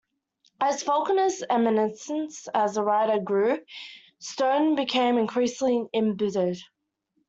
As Faulkner's eminence as a writer grew, Stone became increasingly embittered.